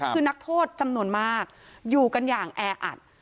คือนักโทษจำนวนมากอยู่กันอย่างแออัด